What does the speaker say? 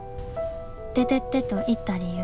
「出てって」と言った理由。